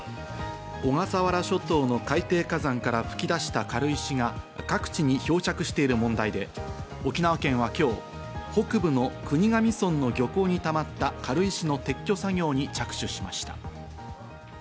小笠原諸島の海底火山から吹き出した軽石が各地に漂着している問題で沖縄県は今日、北部の国頭村の漁港にたまった軽石の撤去作業に着手しました。